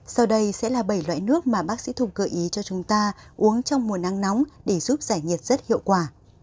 sau đây sẽ là bảy loại nước mà bác sĩ thùng gợi ý cho chúng ta uống trong mùa nắng nóng để giúp giải nhiệt rất hiệu quả